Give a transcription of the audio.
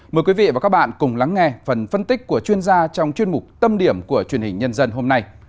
mời quý vị và các bạn cùng lắng nghe phần phân tích của chuyên gia trong chuyên mục tâm điểm của truyền hình nhân dân hôm nay